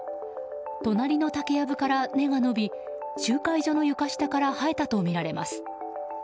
隣の竹やぶから根が伸び集会所の床下から生えたとみられます。